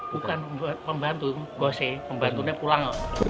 bukan pembantu pembantunya pulang